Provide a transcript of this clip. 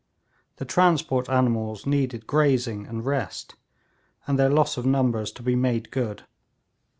The transport animals needed grazing and rest, and their loss of numbers to be made good.